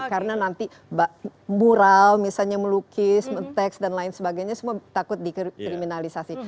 karena nanti mural misalnya melukis men text dan lain sebagainya semua takut dikriminalisasi